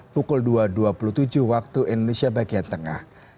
pukul dua dua puluh tujuh waktu indonesia bagian tengah